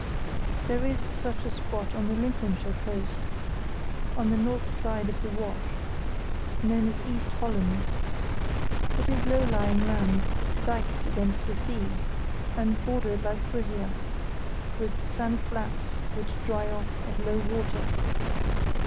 There is such a spot on the Lincolnshire coast, on the north side of the Wash, [See Map A] known as East Holland. It is low lying land, dyked against the sea, and bordered like Frisia with sand flats which dry off at low water.